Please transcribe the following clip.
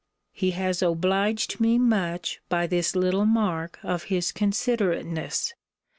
He has obliged me much by this little mark of his considerateness.